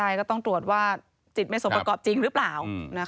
ใช่ก็ต้องตรวจว่าจิตไม่สมประกอบจริงหรือเปล่า